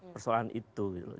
persoalan itu gitu